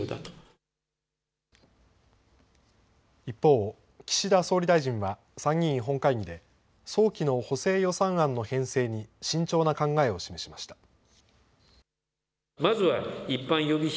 一方、岸田総理大臣は参議院本会議で、早期の補正予算案の編成に、慎重な考えを示しました。